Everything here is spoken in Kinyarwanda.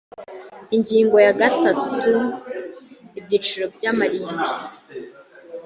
ingingo ya gatatu ibyiciro by amarimbi